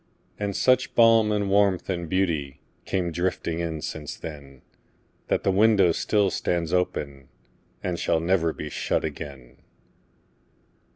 And such balm and warmth and beautyCame drifting in since then, That the window still stands openAnd shall never be shut again.